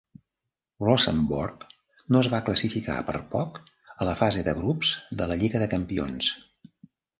Rosenborg no es va classificar per poc a la fase de grups de la Lliga de Campions.